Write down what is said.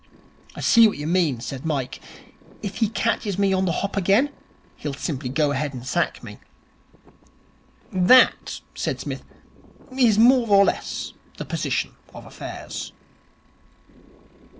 'I see what you mean,' said Mike. 'If he catches me on the hop again, he'll simply go ahead and sack me.' 'That,' said Psmith, 'is more or less the position of affairs.'